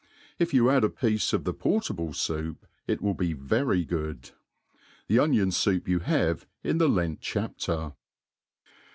If you add a piece of the portable foup, it will be very tbod.* The onion foup you have in the Lent chapter.